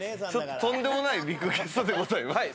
とんでもないビッグゲストでございます。